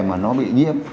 mà nó bị nhiễm